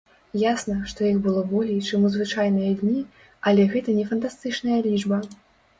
Ясна, што іх было болей, чым у звычайныя дні, але гэта не фантастычная лічба.